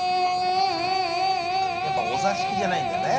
やっぱお座敷じゃないんだね。